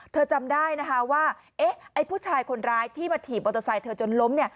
จำได้นะคะว่าไอ้ผู้ชายคนร้ายที่มาถีบมอเตอร์ไซค์เธอจนล้ม